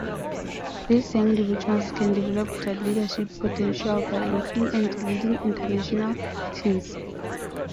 These young individuals can develop their leadership potential by working and leading international teams.